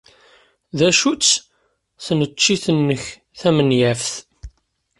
D acu-tt tneččit-nnek tamenyaft?